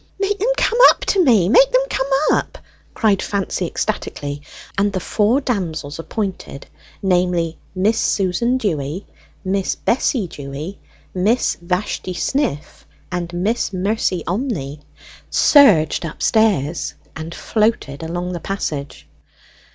"Make 'em come up to me, make 'em come up!" cried Fancy ecstatically; and the four damsels appointed, namely, Miss Susan Dewy, Miss Bessie Dewy, Miss Vashti Sniff, and Miss Mercy Onmey, surged upstairs, and floated along the passage.